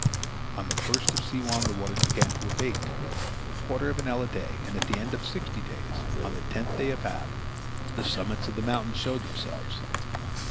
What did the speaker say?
On the first of Siwan the waters began to abate, a quarter of an ell a day, and at the end of sixty days, on the tenth day of Ab, the summits of the mountains showed themselves.